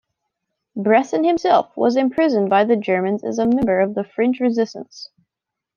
Bresson himself was imprisoned by the Germans as a member of the French Resistance.